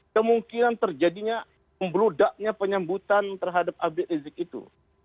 kemungkinan terjadinya pembeludaknya penyambutan terhadap h r i t i itu